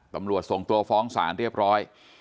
ตำรวจส่งตัวฟ้องศาลเรียบร้อย